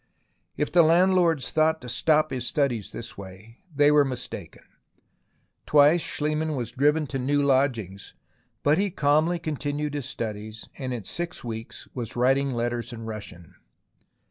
If the landlords thought to stop his studies in this way, they were mistaken. Twice Schliemann was driven to new lodgings, but he calmly continued his studies, and in six weeks was writing letters in Russian.